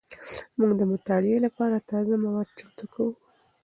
موږ د مطالعې لپاره تازه مواد چمتو کوو.